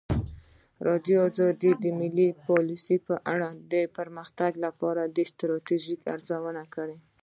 ازادي راډیو د مالي پالیسي په اړه د پرمختګ لپاره د ستراتیژۍ ارزونه کړې.